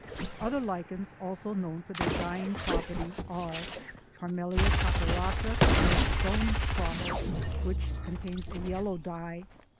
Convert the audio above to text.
Other Lichens also known for their dyeing properties are: Parmelia caperata, or Stone Crottle, which contains a yellow dye, _P.